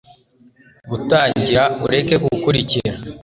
gutangira, ureke gukurikira